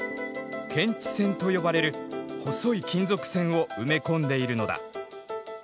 検知線と呼ばれる細い金属線を埋め込んでいるのだ。